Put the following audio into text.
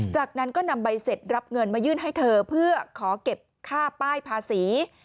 จากนั้นก็นำใบเสร็จรับเงินมายื่นให้เธอเพื่อขอเก็บค่าป้ายภาษี